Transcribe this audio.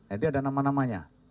ini ada nama namanya